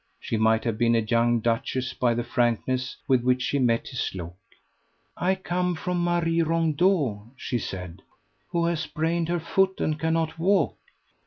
She might have been a young duchess by the frankness with which she met his look. "I come from Marie Rondeau," she said, "who has sprained her foot and cannot walk.